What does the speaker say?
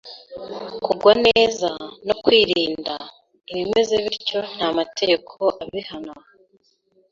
kugwa neza, no kwirinda: ibimeze bityo nta mategeko abihana.